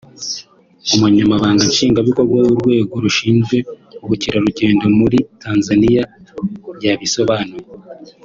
Umunyamabanga Nshingwabikorwa w’Urwego rushinzwe Ubukerarugendo muri Tanzaniya yabisobanuye